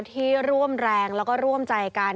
ที่ร่วมแรงแล้วก็ร่วมใจกัน